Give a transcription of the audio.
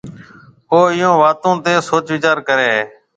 او اِيئون واتون تي سوچ ويچار ڪريَ هيَ۔